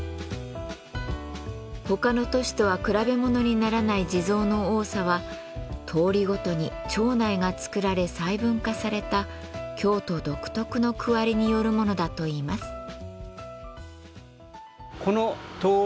ほかの都市とは比べ物にならない地蔵の多さは通りごとに町内が作られ細分化された京都独特の区割りによるものだといいます。